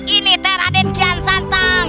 ini raden kian santang